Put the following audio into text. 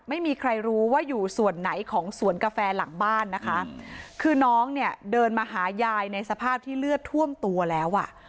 ไม่มีใครรู้ว่าอยู่ส่วนไหนของสวนกาแฟหลังบ้านนะคะคือน้องเนี่ยเดินมาหายายในสภาพที่เลือดท่วมตัวแล้วอ่ะ